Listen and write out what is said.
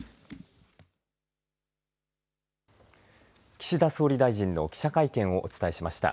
岸田総理大臣の記者会見をお伝えしました。